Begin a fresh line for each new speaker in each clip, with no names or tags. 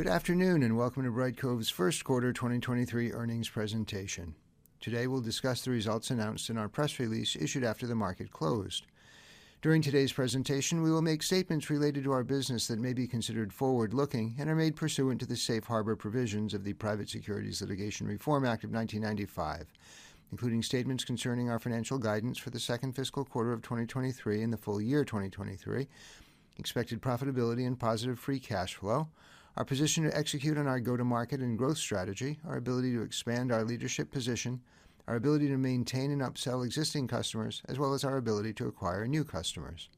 Good afternoon, and welcome to Brightcove's first quarter 2023 earnings presentation. Today, we'll discuss the results announced in our press release issued after the market closed. During today's presentation, we will make statements related to our business that may be considered forward-looking and are made pursuant to the safe harbor provisions of the Private Securities Litigation Reform Act of 1995, including statements concerning our financial guidance for the second fiscal quarter of 2023 and the full year of 2023, expected profitability and positive free cash flow, our position to execute on our go-to-market and growth strategy, our ability to expand our leadership position, our ability to maintain and upsell existing customers, as well as our ability to acquire new customers.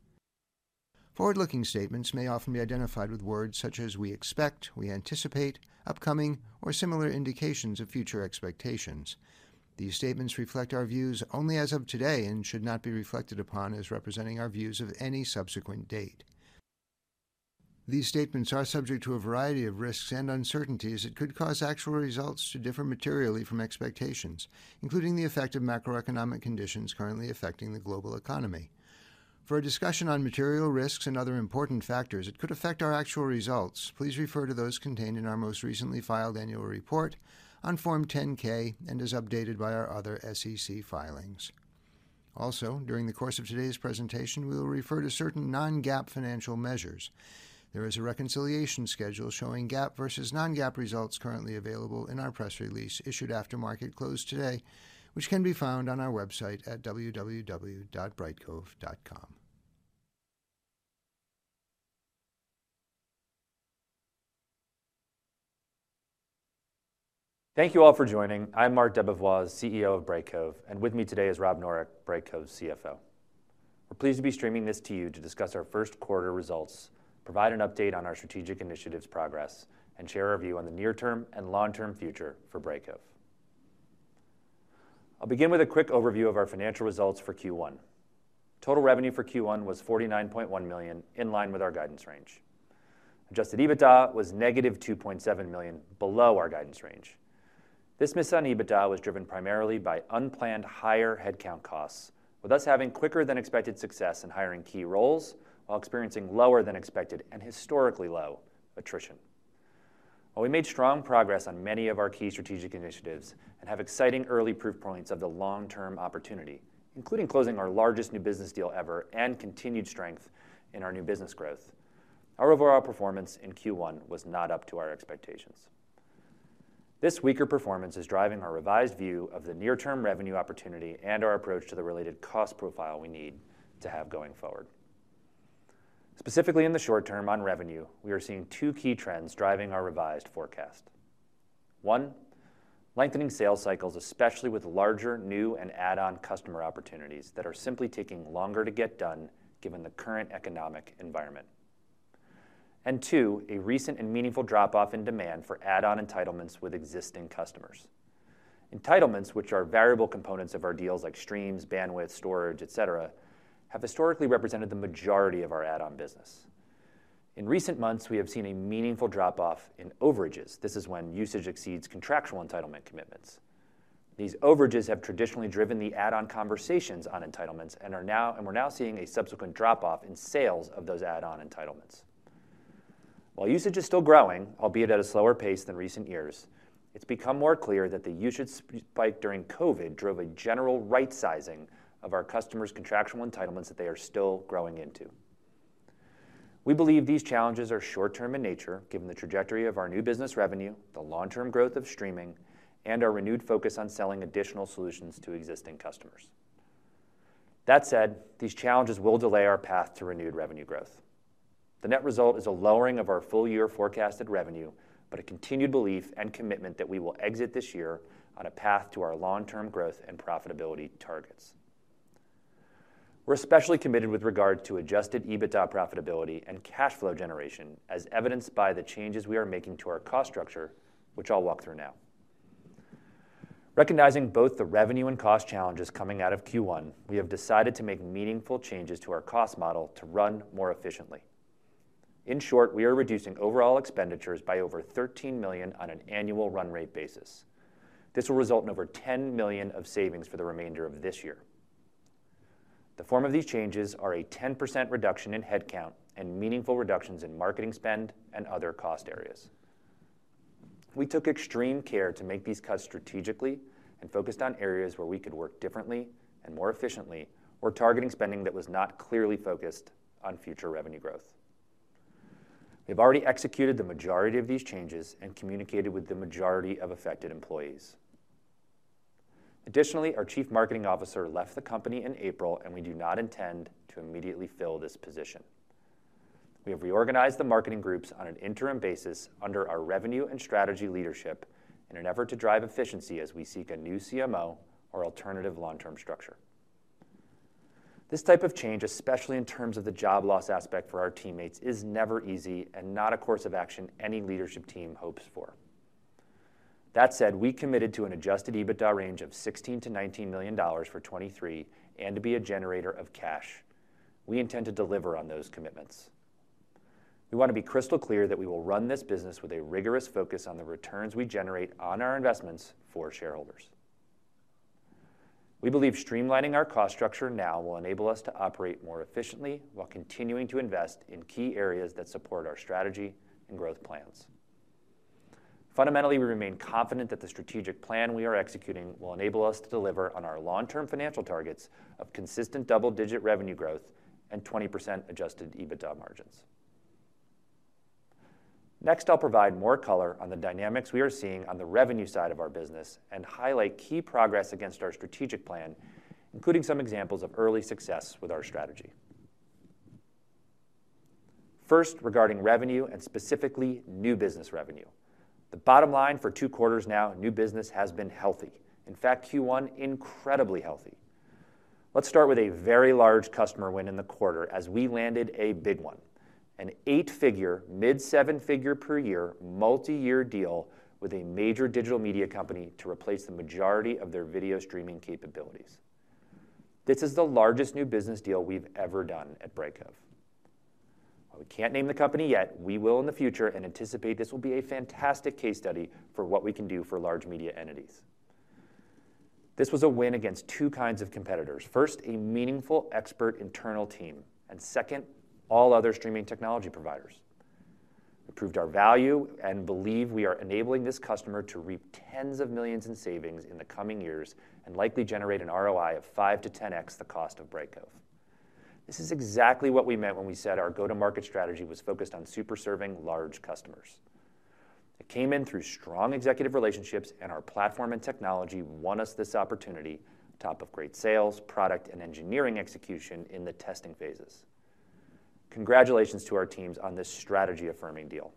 Forward-looking statements may often be identified with words such as "we expect," "we anticipate," "upcoming," or similar indications of future expectations. These statements reflect our views only as of today and should not be reflected upon as representing our views of any subsequent date. These statements are subject to a variety of risks and uncertainties that could cause actual results to differ materially from expectations, including the effect of macroeconomic conditions currently affecting the global economy. For a discussion on material risks and other important factors that could affect our actual results, please refer to those contained in our most recently filed annual report on Form 10-K and as updated by our other SEC filings. Also, during the course of today's presentation, we will refer to certain non-GAAP financial measures. There is a reconciliation schedule showing GAAP versus non-GAAP results currently available in our press release issued after market close today, which can be found on our website at www.brightcove.com.
Thank you all for joining. I'm Marc DeBevoise, CEO of Brightcove, and with me today is Robert Noreck, Brightcove's CFO. We're pleased to be streaming this to you to discuss our first quarter results, provide an update on our strategic initiatives progress, and share our view on the near-term and long-term future for Brightcove. I'll begin with a quick overview of our financial results for Q1. Total revenue for Q1 was $49.1 million, in line with our guidance range. Adjusted EBITDA was -$2.7 million, below our guidance range. This miss on EBITDA was driven primarily by unplanned higher headcount costs, with us having quicker than expected success in hiring key roles while experiencing lower than expected and historically low attrition. While we made strong progress on many of our key strategic initiatives and have exciting early proof points of the long-term opportunity, including closing our largest new business deal ever and continued strength in our new business growth, our overall performance in Q1 was not up to our expectations. This weaker performance is driving our revised view of the near-term revenue opportunity and our approach to the related cost profile we need to have going forward. Specifically in the short term on revenue, we are seeing two key trends driving our revised forecast. One, lengthening sales cycles, especially with larger, new, and add-on customer opportunities that are simply taking longer to get done given the current economic environment. Two, a recent and meaningful drop-off in demand for add-on entitlements with existing customers. Entitlements, which are variable components of our deals like streams, bandwidth, storage, et cetera, have historically represented the majority of our add-on business. In recent months, we have seen a meaningful drop-off in overages. This is when usage exceeds contractual entitlement commitments. These overages have traditionally driven the add-on conversations on entitlements and we're now seeing a subsequent drop-off in sales of those add-on entitlements. While usage is still growing, albeit at a slower pace than recent years, it's become more clear that the usage spike during COVID drove a general right sizing of our customers' contractual entitlements that they are still growing into. We believe these challenges are short-term in nature, given the trajectory of our new business revenue, the long-term growth of streaming, and our renewed focus on selling additional solutions to existing customers. That said, these challenges will delay our path to renewed revenue growth. The net result is a lowering of our full year forecasted revenue, but a continued belief and commitment that we will exit this year on a path to our long-term growth and profitability targets. We're especially committed with regard to Adjusted EBITDA profitability and cash flow generation, as evidenced by the changes we are making to our cost structure, which I'll walk through now. Recognizing both the revenue and cost challenges coming out of Q1, we have decided to make meaningful changes to our cost model to run more efficiently. In short, we are reducing overall expenditures by over $13 million on an annual run rate basis. This will result in over $10 million of savings for the remainder of this year. The form of these changes are a 10% reduction in head count and meaningful reductions in marketing spend and other cost areas. We took extreme care to make these cuts strategically and focused on areas where we could work differently and more efficiently or targeting spending that was not clearly focused on future revenue growth. We've already executed the majority of these changes and communicated with the majority of affected employees. Our chief marketing officer left the company in April, and we do not intend to immediately fill this position. We have reorganized the marketing groups on an interim basis under our revenue and strategy leadership in an effort to drive efficiency as we seek a new CMO or alternative long-term structure. This type of change, especially in terms of the job loss aspect for our teammates, is never easy and not a course of action any leadership team hopes for. We committed to an Adjusted EBITDA range of $16 million-$19 million for 2023 and to be a generator of cash. We intend to deliver on those commitments. We want to be crystal clear that we will run this business with a rigorous focus on the returns we generate on our investments for shareholders. We believe streamlining our cost structure now will enable us to operate more efficiently while continuing to invest in key areas that support our strategy and growth plans. Fundamentally, we remain confident that the strategic plan we are executing will enable us to deliver on our long-term financial targets of consistent double-digit revenue growth and 20% Adjusted EBITDA margins. I'll provide more color on the dynamics we are seeing on the revenue side of our business and highlight key progress against our strategic plan, including some examples of early success with our strategy. Regarding revenue and specifically new business revenue. The bottom line for two quarters now, new business has been healthy. Q1 incredibly healthy. Let's start with a very large customer win in the quarter as we landed a big one, an eight-figure, mid seven-figure per year, multi-year deal with a major digital media company to replace the majority of their video streaming capabilities. This is the largest new business deal we've ever done at Brightcove. We can't name the company yet, we will in the future and anticipate this will be a fantastic case study for what we can do for large media entities. This was a win against two kinds of competitors. First, a meaningful expert internal team, second, all other streaming technology providers. We proved our value and believe we are enabling this customer to reap $10 million in savings in the coming years and likely generate an ROI of 5x-10x the cost of Brightcove. This is exactly what we meant when we said our go-to-market strategy was focused on super serving large customers. It came in through strong executive relationships, our platform and technology won us this opportunity, top of great sales, product, and engineering execution in the testing phases. Congratulations to our teams on this strategy-affirming deal.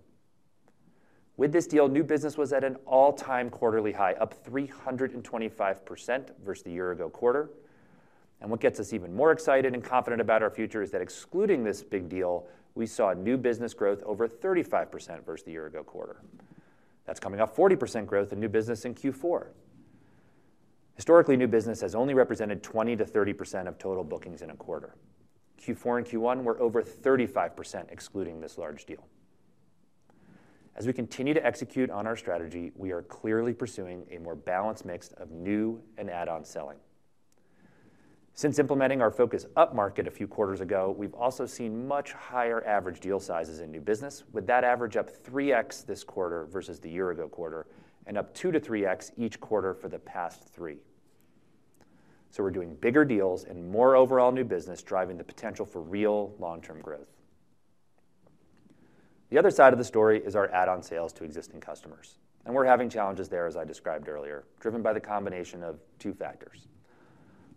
With this deal, new business was at an all-time quarterly high, up 325% versus the year ago quarter. What gets us even more excited and confident about our future is that excluding this big deal, we saw new business growth over 35% versus the year ago quarter. That's coming off 40% growth in new business in Q4. Historically, new business has only represented 20%-30% of total bookings in a quarter. Q4 and Q1 were over 35% excluding this large deal. As we continue to execute on our strategy, we are clearly pursuing a more balanced mix of new and add-on selling. Since implementing our focus upmarket a few quarters ago, we've also seen much higher average deal sizes in new business, with that average up 3x this quarter versus the year ago quarter and up 2x-3x each quarter for the past 3x. We're doing bigger deals and more overall new business driving the potential for real long-term growth. The other side of the story is our add-on sales to existing customers, and we're having challenges there, as I described earlier, driven by the combination of two factors.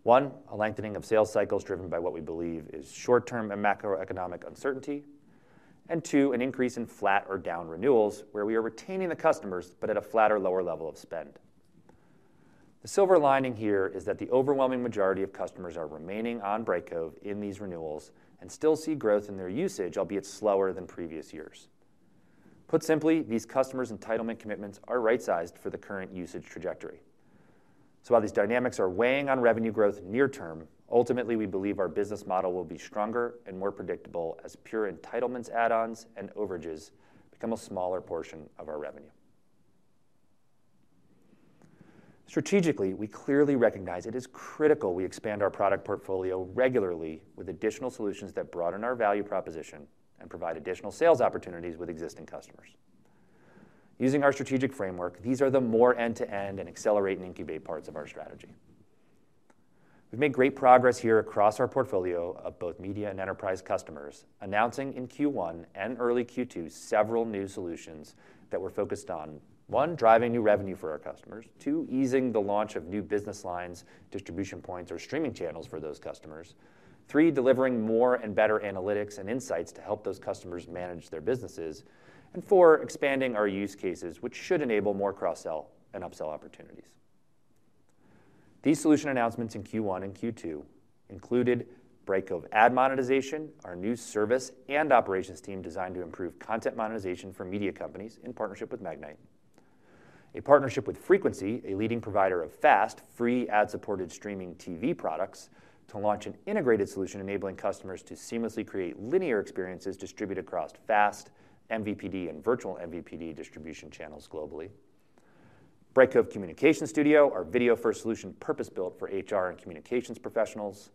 One, a lengthening of sales cycles driven by what we believe is short term and macroeconomic uncertainty. Two, an increase in flat or down renewals where we are retaining the customers but at a flat or lower level of spend. The silver lining here is that the overwhelming majority of customers are remaining on Brightcove in these renewals and still see growth in their usage, albeit slower than previous years. Put simply, these customers' entitlement commitments are right-sized for the current usage trajectory. While these dynamics are weighing on revenue growth near term, ultimately, we believe our business model will be stronger and more predictable as pure entitlements add-ons and overages become a smaller portion of our revenue. Strategically, we clearly recognize it is critical we expand our product portfolio regularly with additional solutions that broaden our value proposition and provide additional sales opportunities with existing customers. Using our strategic framework, these are the more end-to-end and accelerate and incubate parts of our strategy. We've made great progress here across our portfolio of both media and enterprise customers, announcing in Q1 and early Q2 several new solutions that were focused on, one, driving new revenue for our customers. Two, easing the launch of new business lines, distribution points, or streaming channels for those customers. Three, delivering more and better analytics and insights to help those customers manage their businesses. Four, expanding our use cases, which should enable more cross-sell and upsell opportunities. These solution announcements in Q1 and Q2 included Brightcove Ad Monetization, our new service and operations team designed to improve content monetization for media companies in partnership with Magnite. A partnership with Frequency, a leading provider of FAST, free ad-supported streaming TV products to launch an integrated solution enabling customers to seamlessly create linear experiences distributed across FAST, MVPD, and virtual MVPD distribution channels globally. Brightcove Communications Studio, our video-first solution purpose-built for HR and communications professionals.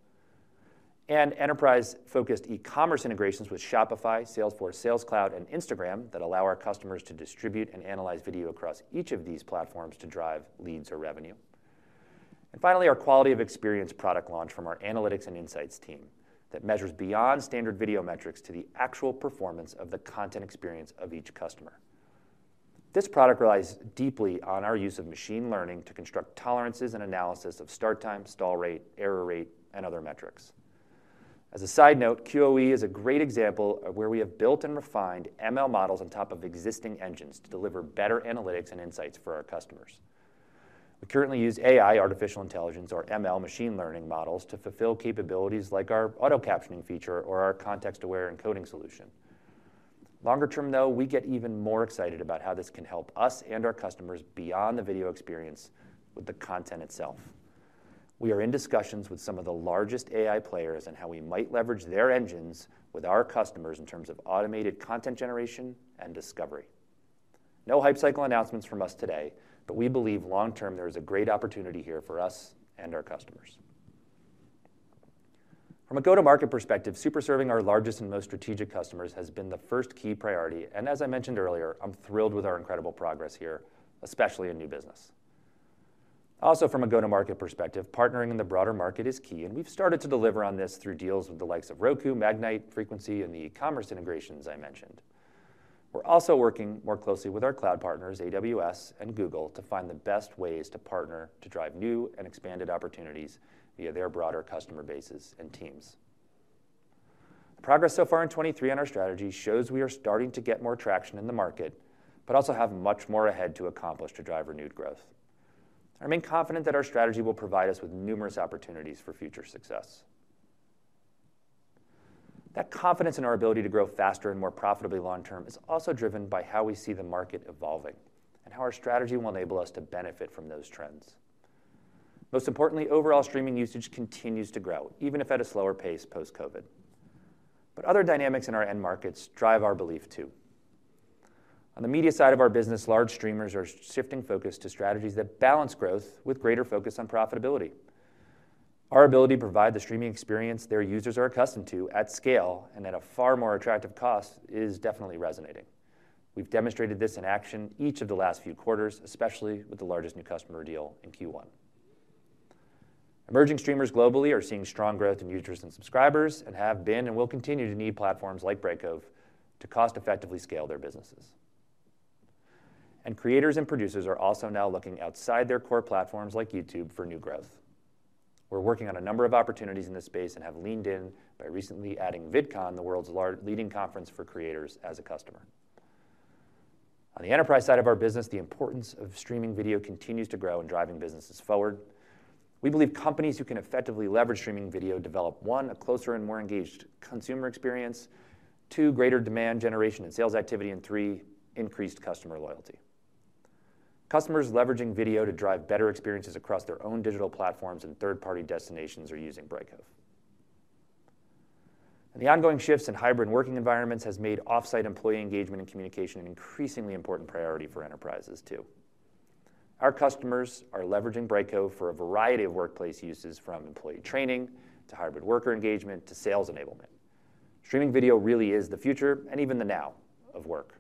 Enterprise-focused e-commerce integrations with Shopify, Salesforce Sales Cloud, and Instagram that allow our customers to distribute and analyze video across each of these platforms to drive leads or revenue. Finally, our Quality of Experience product launch from our analytics and insights team that measures beyond standard video metrics to the actual performance of the content experience of each customer. This product relies deeply on our use of machine learning to construct tolerances and analysis of start time, stall rate, error rate, and other metrics. As a side note, QoE is a great example of where we have built and refined ML models on top of existing engines to deliver better analytics and insights for our customers. We currently use AI, artificial intelligence, or ML, machine learning, models to fulfill capabilities like our Auto-Captions feature or our Context-Aware Encoding solution. Longer-term, though, we get even more excited about how this can help us and our customers beyond the video experience with the content itself. We are in discussions with some of the largest AI players on how we might leverage their engines with our customers in terms of automated content generation and discovery. No hype cycle announcements from us today, but we believe long term there is a great opportunity here for us and our customers. From a go-to-market perspective, super serving our largest and most strategic customers has been the first key priority, and as I mentioned earlier, I'm thrilled with our incredible progress here, especially in new business. Also from a go-to-market perspective, partnering in the broader market is key, and we've started to deliver on this through deals with the likes of Roku, Magnite, Frequency, and the commerce integrations I mentioned. We're also working more closely with our cloud partners, AWS and Google, to find the best ways to partner to drive new and expanded opportunities via their broader customer bases and teams. The progress so far in 2023 on our strategy shows we are starting to get more traction in the market, but also have much more ahead to accomplish to drive renewed growth. I remain confident that our strategy will provide us with numerous opportunities for future success. That confidence in our ability to grow faster and more profitably long term is also driven by how we see the market evolving and how our strategy will enable us to benefit from those trends. Most importantly, overall streaming usage continues to grow, even if at a slower pace post-COVID. Other dynamics in our end markets drive our belief too. On the media side of our business, large streamers are shifting focus to strategies that balance growth with greater focus on profitability. Our ability to provide the streaming experience their users are accustomed to at scale and at a far more attractive cost is definitely resonating. We've demonstrated this in action each of the last few quarters, especially with the largest new customer deal in Q1. Emerging streamers globally are seeing strong growth in users and subscribers and have been and will continue to need platforms like Brightcove to cost effectively scale their businesses. Creators and producers are also now looking outside their core platforms like YouTube for new growth. We're working on a number of opportunities in this space and have leaned in by recently adding VidCon, the world's leading conference for creators, as a customer. On the enterprise side of our business, the importance of streaming video continues to grow in driving businesses forward. We believe companies who can effectively leverage streaming video develop, one, a closer and more engaged consumer experience, two, greater demand generation and sales activity, and three, increased customer loyalty. Customers leveraging video to drive better experiences across their own digital platforms and third-party destinations are using Brightcove. The ongoing shifts in hybrid working environments has made off-site employee engagement and communication an increasingly important priority for enterprises too. Our customers are leveraging Brightcove for a variety of workplace uses from employee training to hybrid worker engagement to sales enablement. Streaming video really is the future and even the now of work.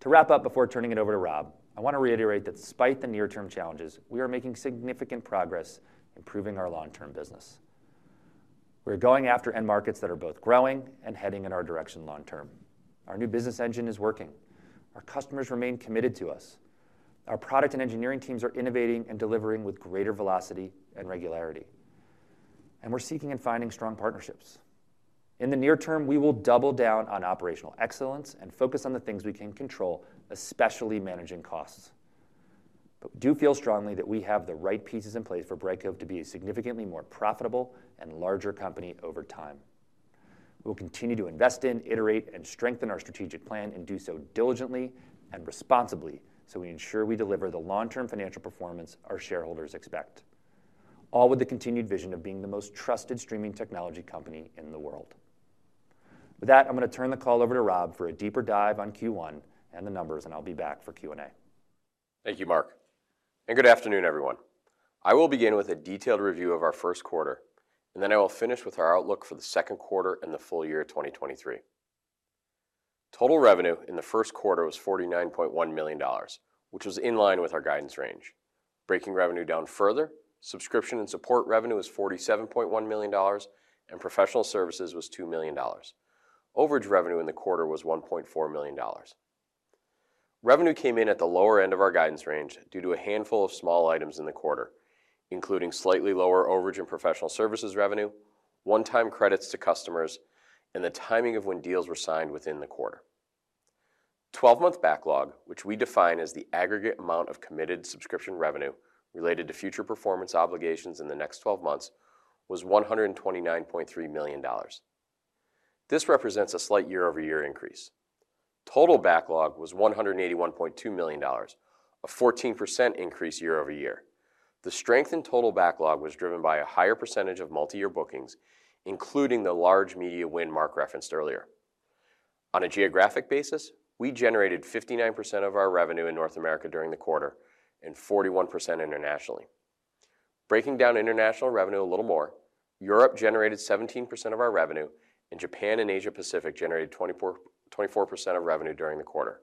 To wrap up before turning it over to Rob, I want to reiterate that despite the near-term challenges, we are making significant progress improving our long-term business. We're going after end markets that are both growing and heading in our direction long term. Our new business engine is working. Our customers remain committed to us. Our product and engineering teams are innovating and delivering with greater velocity and regularity. We're seeking and finding strong partnerships. In the near term, we will double down on operational excellence and focus on the things we can control, especially managing costs. We do feel strongly that we have the right pieces in place for Brightcove to be a significantly more profitable and larger company over time. We'll continue to invest in, iterate, and strengthen our strategic plan and do so diligently and responsibly, so we ensure we deliver the long-term financial performance our shareholders expect, all with the continued vision of being the most trusted streaming technology company in the world. With that, I'm gonna turn the call over to Rob for a deeper dive on Q1 and the numbers, and I'll be back for Q&A.
Thank you, Marc. Good afternoon, everyone. I will begin with a detailed review of our first quarter, and then I will finish with our outlook for the second quarter and the full year 2023. Total revenue in the first quarter was $49.1 million, which was in line with our guidance range. Breaking revenue down further, subscription and support revenue was $47.1 million and professional services was $2 million. Overage revenue in the quarter was $1.4 million. Revenue came in at the lower end of our guidance range due to a handful of small items in the quarter, including slightly lower overage and professional services revenue, one-time credits to customers, and the timing of when deals were signed within the quarter. 12-month Backlog, which we define as the aggregate amount of committed subscription revenue related to future performance obligations in the next 12 months, was $129.3 million. This represents a slight year-over-year increase. Total backlog was $181.2 million, a 14% increase year-over-year. The strength in total backlog was driven by a higher percentage of multiyear bookings, including the large media win Marc referenced earlier. On a geographic basis, we generated 59% of our revenue in North America during the quarter and 41% internationally. Breaking down international revenue a little more, Europe generated 17% of our revenue and Japan and Asia Pacific generated 24% of revenue during the quarter.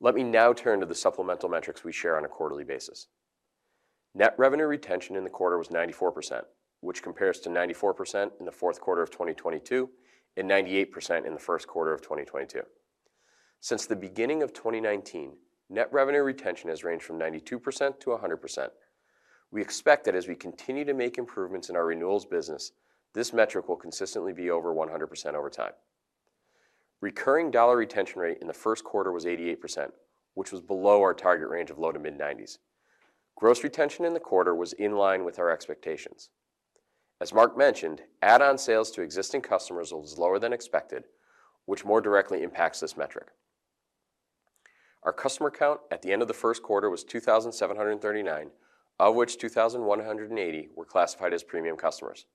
Let me now turn to the supplemental metrics we share on a quarterly basis. Net revenue retention in the quarter was 94%, which compares to 94% in the fourth quarter of 2022 and 98% in the first quarter of 2022. Since the beginning of 2019, net revenue retention has ranged from 92%-100%. We expect that as we continue to make improvements in our renewals business, this metric will consistently be over 100% over time. Recurring dollar retention rate in the first quarter was 88%, which was below our target range of low to mid-90%s. Gross retention in the quarter was in line with our expectations. As Mark mentioned, add-on sales to existing customers was lower than expected, which more directly impacts this metric. Our customer count at the end of the first quarter was 2,739, of which 2,180 were classified as premium customers.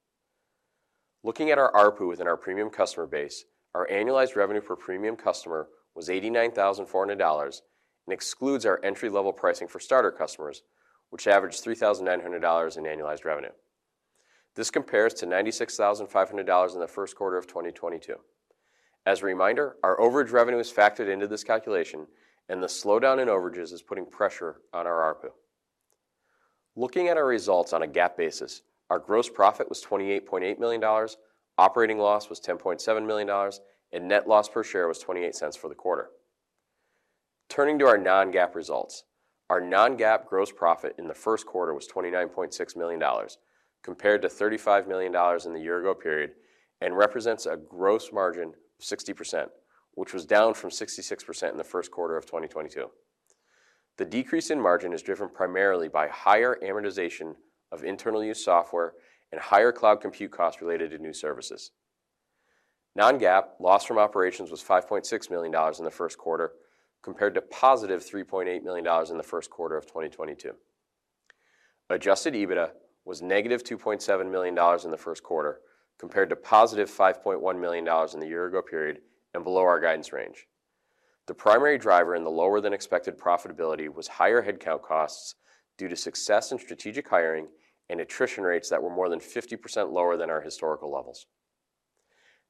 Looking at our ARPU within our premium customer base, our annualized revenue per premium customer was $89,400 and excludes our entry-level pricing for starter customers, which averaged $3,900 in annualized revenue. This compares to $96,500 in the first quarter of 2022. As a reminder, our overage revenue is factored into this calculation, and the slowdown in overages is putting pressure on our ARPU. Looking at our results on a GAAP basis, our gross profit was $28.8 million, operating loss was $10.7 million, and net loss per share was $0.28 for the quarter. Turning to our non-GAAP results, our non-GAAP gross profit in the first quarter was $29.6 million, compared to $35 million in the year ago period, and represents a gross margin of 60%, which was down from 66% in the first quarter of 2022. The decrease in margin is driven primarily by higher amortization of internal use software and higher cloud compute costs related to new services. Non-GAAP loss from operations was $5.6 million in the first quarter, compared to positive $3.8 million in the first quarter of 2022. Adjusted EBITDA was negative $2.7 million in the first quarter, compared to positive $5.1 million in the year ago period and below our guidance range. The primary driver in the lower than expected profitability was higher headcount costs due to success in strategic hiring and attrition rates that were more than 50% lower than our historical levels.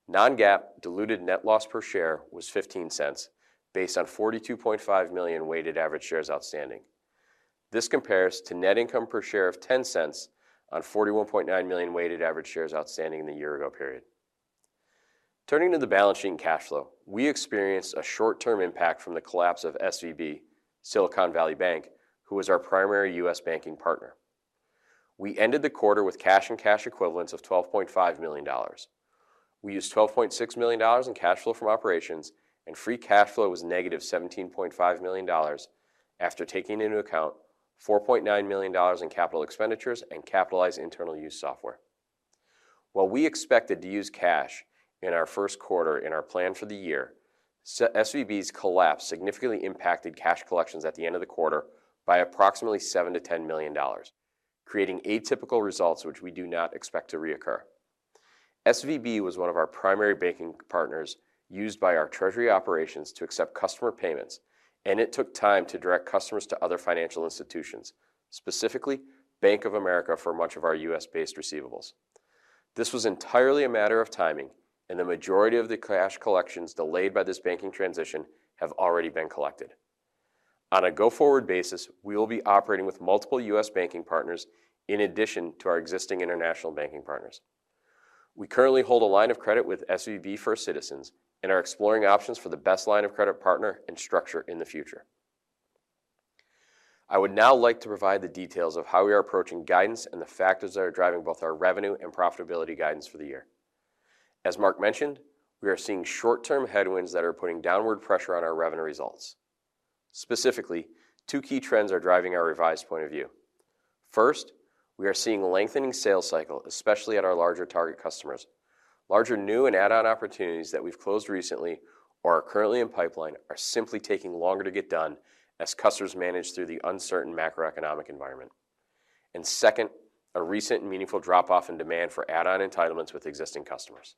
non-GAAP diluted net loss per share was $0.15, based on 42.5 million weighted average shares outstanding. This compares to net income per share of $0.10 on 41.9 million weighted average shares outstanding in the year ago period. Turning to the balance sheet and cash flow, we experienced a short-term impact from the collapse of SVB, Silicon Valley Bank, who was our primary U.S. banking partner. We ended the quarter with cash and cash equivalents of $12.5 million. We used $12.6 million in cash flow from operations, free cash flow was negative $17.5 million after taking into account $4.9 million in capital expenditures and capitalized internal use software. While we expected to use cash in our first quarter in our plan for the year, SVB's collapse significantly impacted cash collections at the end of the quarter by approximately $7 million-$10 million, creating atypical results which we do not expect to reoccur. SVB was one of our primary banking partners used by our treasury operations to accept customer payments, it took time to direct customers to other financial institutions, specifically Bank of America for much of our U.S.-based receivables. This was entirely a matter of timing, the majority of the cash collections delayed by this banking transition have already been collected. On a go-forward basis, we will be operating with multiple U.S. banking partners in addition to our existing international banking partners. We currently hold a line of credit with SVB First Citizens and are exploring options for the best line of credit partner and structure in the future. I would now like to provide the details of how we are approaching guidance and the factors that are driving both our revenue and profitability guidance for the year. As Marc mentioned, we are seeing short-term headwinds that are putting downward pressure on our revenue results. Specifically, two key trends are driving our revised point of view. We are seeing lengthening sales cycle, especially at our larger target customers. Larger new and add-on opportunities that we've closed recently or are currently in pipeline are simply taking longer to get done as customers manage through the uncertain macroeconomic environment. Second, a recent meaningful drop-off in demand for add-on entitlements with existing customers.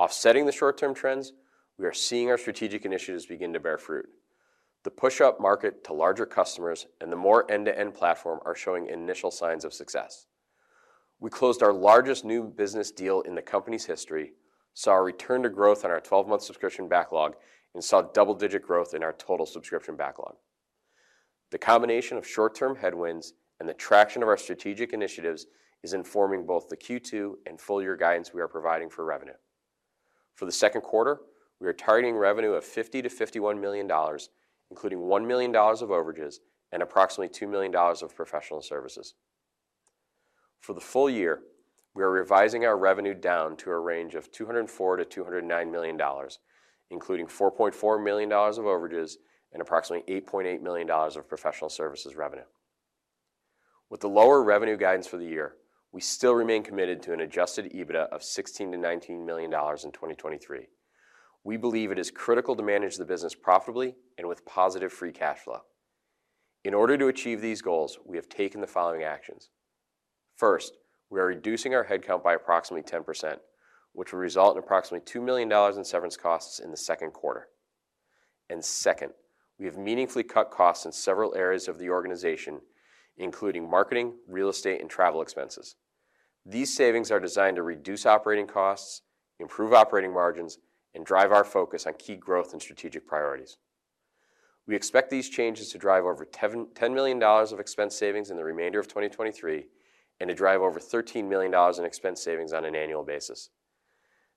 Offsetting the short-term trends, we are seeing our strategic initiatives begin to bear fruit. The push-up market to larger customers and the more end-to-end platform are showing initial signs of success. We closed our largest new business deal in the company's history, saw a return to growth on our 12-month Backlog, and saw double-digit growth in our total subscription backlog. The combination of short-term headwinds and the traction of our strategic initiatives is informing both the Q2 and full-year guidance we are providing for revenue. For the second quarter, we are targeting revenue of $50 million-$51 million, including $1 million of overages and approximately $2 million of professional services. For the full year, we are revising our revenue down to a range of $204 million-$209 million, including $4.4 million of overages and approximately $8.8 million of professional services revenue. With the lower revenue guidance for the year, we still remain committed to an adjusted EBITDA of $16 million-$19 million in 2023. We believe it is critical to manage the business profitably and with positive free cash flow. In order to achieve these goals, we have taken the following actions. First, we are reducing our headcount by approximately 10%, which will result in approximately $2 million in severance costs in the second quarter. Second, we have meaningfully cut costs in several areas of the organization, including marketing, real estate, and travel expenses. These savings are designed to reduce operating costs, improve operating margins, and drive our focus on key growth and strategic priorities. We expect these changes to drive over $10 million of expense savings in the remainder of 2023 and to drive over $13 million in expense savings on an annual basis.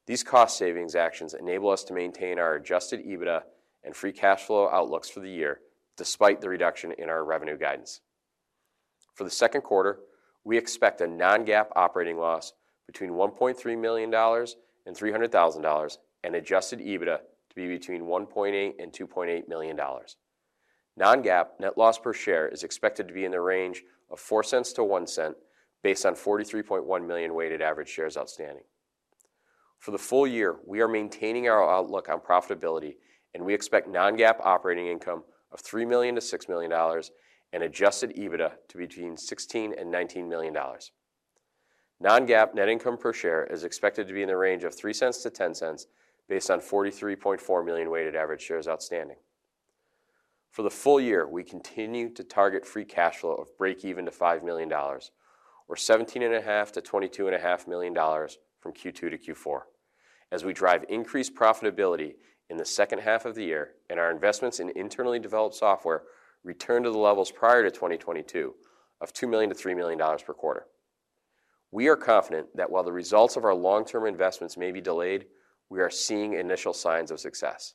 These cost savings actions enable us to maintain our Adjusted EBITDA and free cash flow outlooks for the year, despite the reduction in our revenue guidance. For the second quarter, we expect a non-GAAP operating loss between $1.3 million and $300,000 and Adjusted EBITDA to be between $1.8 and $2.8 million. non-GAAP net loss per share is expected to be in the range of $0.04-$0.01 based on 43.1 million weighted average shares outstanding.
For the full year, we are maintaining our outlook on profitability. We expect non-GAAP operating income of $3 million-$6 million and Adjusted EBITDA to between $16 million and $19 million. Non-GAAP net income per share is expected to be in the range of $0.03-$0.10 based on 43.4 million weighted average shares outstanding. For the full year, we continue to target free cash flow of breakeven to $5 million or $17.5 million-$22.5 million from Q2 to Q4 as we drive increased profitability in the second half of the year and our investments in internally developed software return to the levels prior to 2022 of $2 million-$3 million per quarter. We are confident that while the results of our long-term investments may be delayed, we are seeing initial signs of success.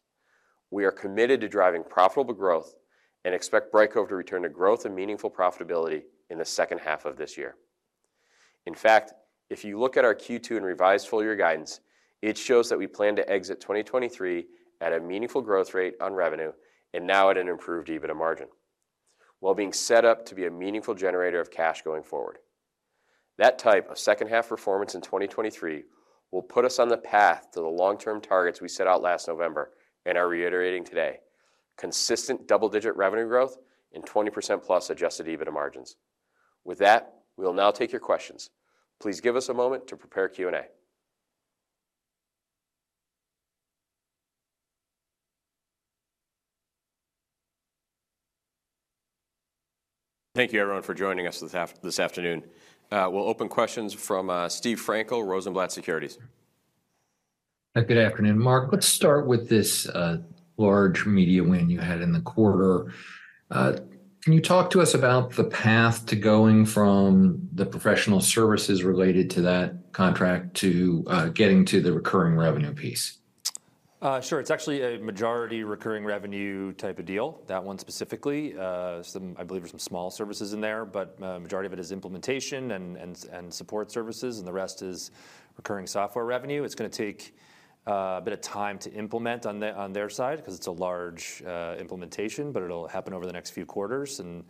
We are committed to driving profitable growth and expect Brightcove to return to growth and meaningful profitability in the second half of this year. In fact, if you look at our Q2 and revised full year guidance, it shows that we plan to exit 2023 at a meaningful growth rate on revenue and now at an improved EBITDA margin, while being set up to be a meaningful generator of cash going forward. That type of second half performance in 2023 will put us on the path to the long-term targets we set out last November and are reiterating today, consistent double-digit revenue growth and 20%+ Adjusted EBITDA margins. With that, we'll now take your questions. Please give us a moment to prepare Q&A.
Thank you, everyone, for joining us this afternoon. We'll open questions from Steve Frankel, Rosenblatt Securities.
Good afternoon. Marc DeBevoise, let's start with this large media win you had in the quarter. Can you talk to us about the path to going from the professional services related to that contract to getting to the recurring revenue piece?
Sure. It's actually a majority recurring revenue type of deal, that one specifically. I believe there's some small services in there, but majority of it is implementation and support services, and the rest is recurring software revenue. It's going to take a bit of time to implement on their side because it's a large implementation, but it'll happen over the next few quarters and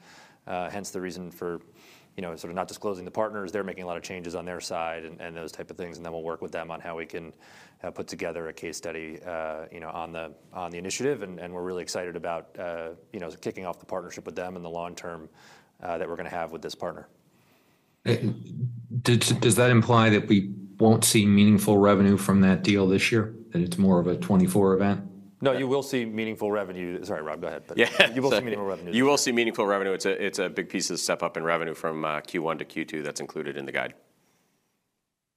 hence the reason for, you know, sort of not disclosing the partners. They're making a lot of changes on their side and those type of things, and then we'll work with them on how we can put together a case study, you know, on the initiative and we're really excited about, you know, kicking off the partnership with them and the long term that we're gonna have with this partner.
Does that imply that we won't see meaningful revenue from that deal this year, that it's more of a 2024 event?
No, you will see meaningful revenue. Sorry, Rob, go ahead.
Yeah.
You will see meaningful revenue.
You will see meaningful revenue. It's a big piece of step-up in revenue from Q1-Q2 that's included in the guide.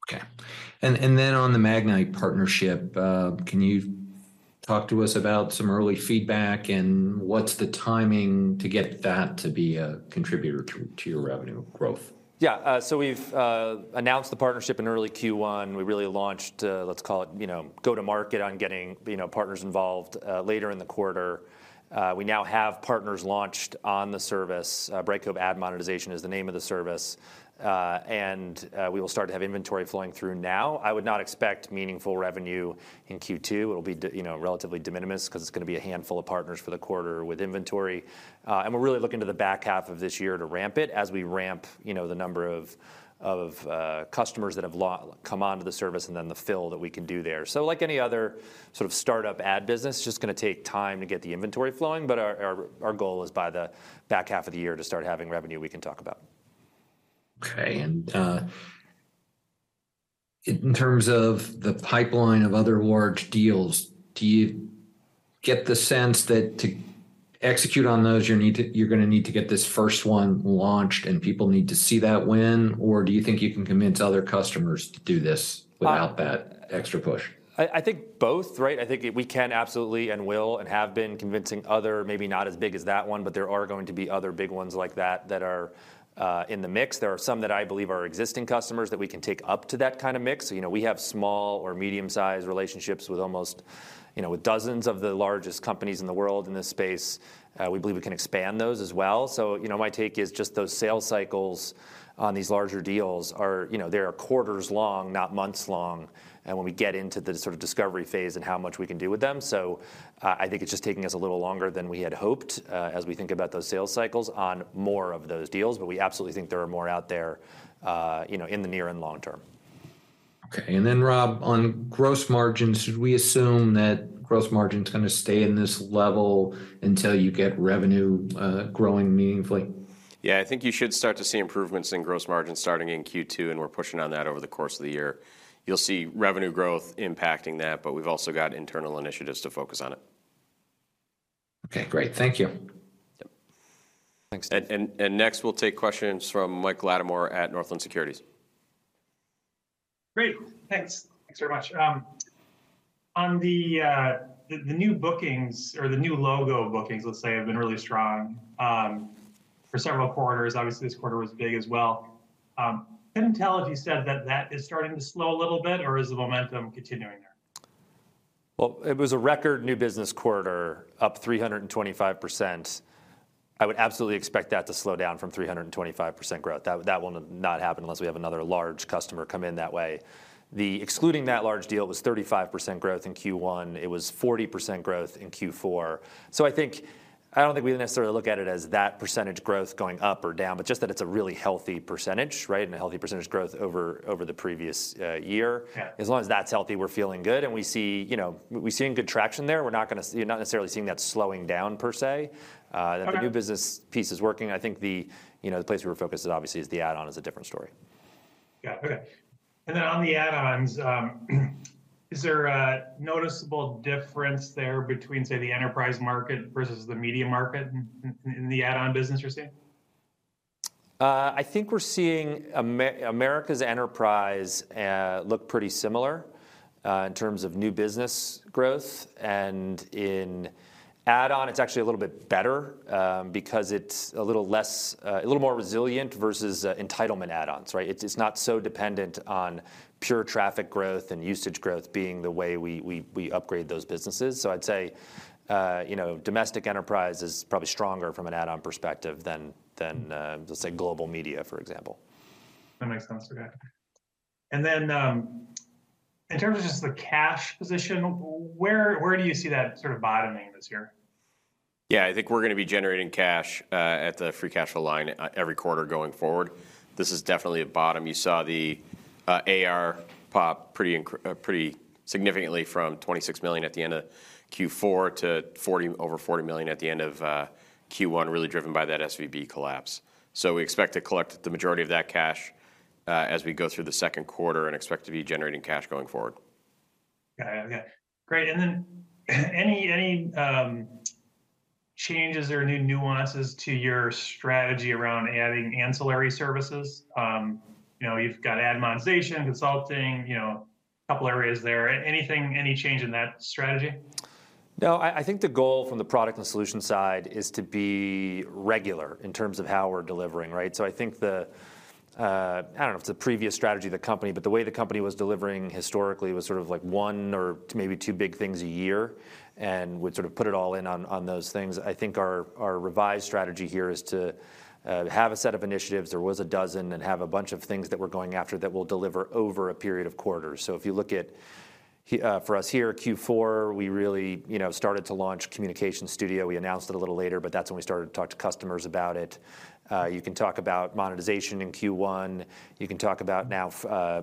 Okay. Then on the Magnite partnership, can you talk to us about some early feedback and what's the timing to get that to be a contributor to your revenue growth?
Yeah. We've announced the partnership in early Q1. We really launched, let's call it, you know, go to market on getting, you know, partners involved later in the quarter. We now have partners launched on the service. Brightcove Ad Monetization is the name of the service. We will start to have inventory flowing through now. I would not expect meaningful revenue in Q2. It'll be, you know, relatively de minimis 'cause it's gonna be a handful of partners for the quarter with inventory. We're really looking to the back half of this year to ramp it as we ramp, you know, the number of customers that have come onto the service and then the fill that we can do there. Like any other sort of startup ad business, just gonna take time to get the inventory flowing, but our goal is by the back half of the year to start having revenue we can talk about.
Okay. In terms of the pipeline of other large deals, do you get the sense that to execute on those you're gonna need to get this first one launched, and people need to see that win? Do you think you can convince other customers to do this without that extra push?
I think both, right? I think we can absolutely and will and have been convincing other, maybe not as big as that one, but there are going to be other big ones like that are in the mix. There are some that I believe are existing customers that we can take up to that kind of mix. You know, we have small or medium-sized relationships with almost, you know, with dozens of the largest companies in the world in this space. We believe we can expand those as well. You know, my take is just those sales cycles on these larger deals are, you know, they are quarters long, not months long, and when we get into the sort of discovery phase and how much we can do with them. I think it's just taking us a little longer than we had hoped, as we think about those sales cycles on more of those deals. We absolutely think there are more out there, you know, in the near and long term.
Okay. Rob, on gross margins, should we assume that gross margin's gonna stay in this level until you get revenue growing meaningfully?
Yeah. I think you should start to see improvements in gross margin starting in Q2, and we're pushing on that over the course of the year. You'll see revenue growth impacting that, but we've also got internal initiatives to focus on it.
Okay, great. Thank you.
Yep.
Thanks, Steve.
Next, we'll take questions from Michael Latimore at Northland Securities.
Great. Thanks. Thanks very much. on the, the new bookings or the new logo bookings, let's say, have been really strong, for several quarters. Obviously, this quarter was big as well. Couldn't tell if you said that that is starting to slow a little bit, or is the momentum continuing there?
It was a record new business quarter, up 325%. I would absolutely expect that to slow down from 325% growth. That will not happen unless we have another large customer come in that way. Excluding that large deal was 35% growth in Q1. It was 40% growth in Q4. I don't think we necessarily look at it as that percentage growth going up or down, but just that it's a really healthy percentage, right? A healthy percentage growth over the previous year.
Yeah.
As long as that's healthy, we're feeling good, and we see, you know, we're seeing good traction there. You're not necessarily seeing that slowing down per se.
Okay.
The new business piece is working. I think the, you know, the place we're focused is obviously is the add-on is a different story.
Yeah. Okay. Then on the add-ons, is there a noticeable difference there between, say, the enterprise market versus the media market in the add-on business you're seeing?
I think we're seeing America's enterprise look pretty similar in terms of new business growth. In add-on, it's actually a little bit better because it's a little less a little more resilient versus entitlement add-ons, right. It's not so dependent on pure traffic growth and usage growth being the way we upgrade those businesses. I'd say, you know, domestic enterprise is probably stronger from an add-on perspective than let's say global media, for example.
That makes sense. Okay. In terms of just the cash position, where do you see that sort of bottoming this year?
Yeah. I think we're gonna be generating cash at the free cash flow line every quarter going forward. This is definitely a bottom. You saw the AR pop pretty significantly from $26 million at the end of Q4 to over $40 million at the end of Q1, really driven by that SVB collapse. We expect to collect the majority of that cash as we go through the second quarter and expect to be generating cash going forward.
Yeah. Okay. Great. Any changes or new nuances to your strategy around adding ancillary services? You know, you've got Ad Monetization, consulting, you know, a couple of areas there. Anything, any change in that strategy?
No. I think the goal from the product and solution side is to be regular in terms of how we're delivering, right? I think the... I don't know if it's the previous strategy of the company, but the way the company was delivering historically was sort of like one or maybe two big things a year and would sort of put it all in on those things. I think our revised strategy here is to have a set of initiatives, there was a dozen, and have a bunch of things that we're going after that we'll deliver over a period of quarters. If you look at for us here, Q4, we really, you know, started to launch Communications Studio. We announced it a little later, but that's when we started to talk to customers about it. You can talk about monetization in Q1. You can talk about now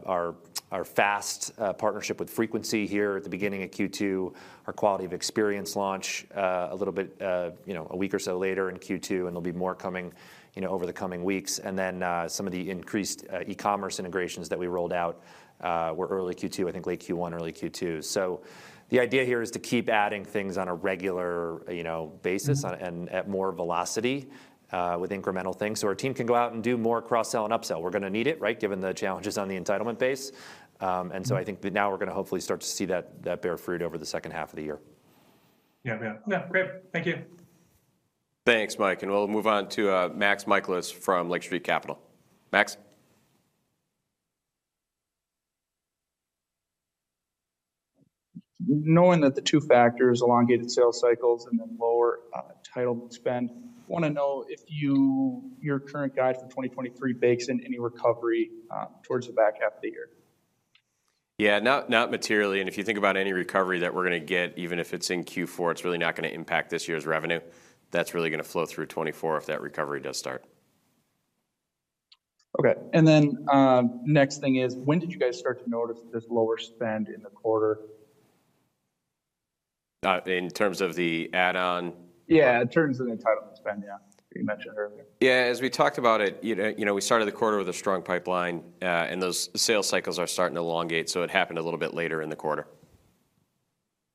our FAST partnership with Frequency here at the beginning of Q2, our Quality of Experience launch, a little bit, you know, a week or so later in Q2. There'll be more coming, you know, over the coming weeks. Some of the increased e-commerce integrations that we rolled out were early Q2, I think late Q1, early Q2. The idea here is to keep adding things on a regular, you know, basis on and at more velocity with incremental things. Our team can go out and do more cross-sell and upsell. We're gonna need it, right? Given the challenges on the entitlement base. I think that now we're gonna hopefully start to see that bear fruit over the second half of the year.
Yeah. Yeah. Yeah. Great. Thank you.
Thanks, Mike. We'll move on to Eric Martinuzzi from Lake Street Capital Markets. Eric.
Knowing that the two factors, elongated sales cycles and then lower, entitlement spend, wanna know if your current guide for 2023 bakes in any recovery, towards the back half of the year?
Yeah, not materially. If you think about any recovery that we're gonna get, even if it's in Q4, it's really not gonna impact this year's revenue. That's really gonna flow through 2024 if that recovery does start.
Okay. Next thing is, when did you guys start to notice this lower spend in the quarter?
In terms of the add-on?
Yeah, in terms of the entitlement spend, yeah, you mentioned earlier.
Yeah. As we talked about it, you know, we started the quarter with a strong pipeline, and those sales cycles are starting to elongate, so it happened a little bit later in the quarter.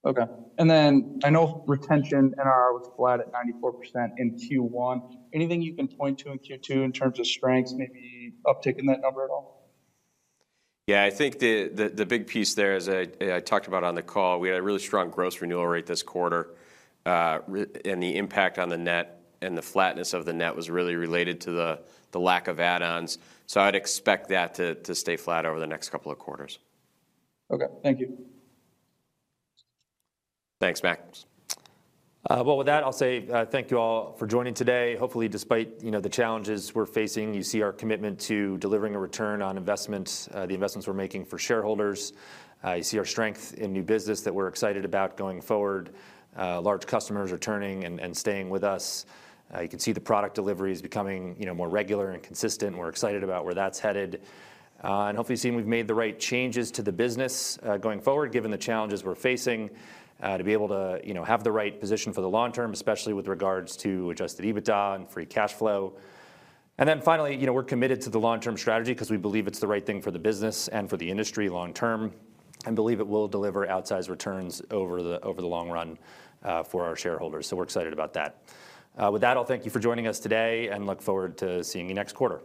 Okay. I know retention NRR was flat at 94% in Q1. Anything you can point to in Q2 in terms of strengths, maybe uptick in that number at all?
Yeah. I think the big piece there, as I talked about on the call, we had a really strong gross renewal rate this quarter. And the impact on the net and the flatness of the net was really related to the lack of add-ons. I'd expect that to stay flat over the next couple of quarters.
Okay. Thank you.
Thanks, Max. Well, with that, I'll say, thank you all for joining today. Hopefully, despite, you know, the challenges we're facing, you see our commitment to delivering a return on investment, the investments we're making for shareholders. You see our strength in new business that we're excited about going forward. Large customers are turning and staying with us. You can see the product delivery is becoming, you know, more regular and consistent. We're excited about where that's headed. Hopefully you've seen we've made the right changes to the business, going forward, given the challenges we're facing, to be able to, you know, have the right position for the long term, especially with regards to Adjusted EBITDA and free cash flow. Finally, you know, we're committed to the long-term strategy 'cause we believe it's the right thing for the business and for the industry long term and believe it will deliver outsized returns over the long run for our shareholders. We're excited about that. With that, I'll thank you for joining us today and look forward to seeing you next quarter.